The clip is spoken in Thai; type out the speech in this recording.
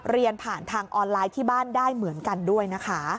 เรียนผ่านทางออนไลน์ที่บ้านได้เหมือนกันด้วยนะคะ